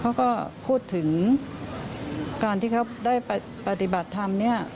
เขาก็พูดถึงการที่เขาได้ปฏิบัติธรรมเนี่ย